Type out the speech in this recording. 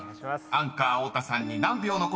アンカー太田さんに何秒残せるか？］